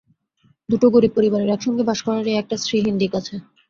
দুটি গরিব পরিবারের একসঙ্গে বাস করার এই একটা শ্রীহীন দিক আছে।